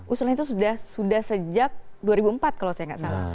usulan itu sudah sejak dua ribu empat kalau saya nggak salah